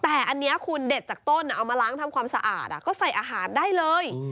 แต่อันนี้คุณเด็ดจากต้นเอามาล้างทำความสะอาดก็ใส่อาหารได้เลย